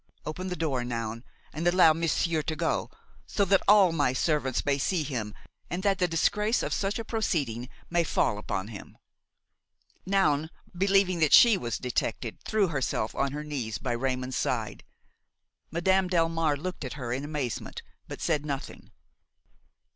Open the door, Noun, and allow monsieur to go, so that all my servants may see him and that the disgrace of such a proceeding may fall upon him." Noun, believing that she was detected, threw herself on her knees by Raymon's side. Madame Delmare looked at her in amazement, but said nothing.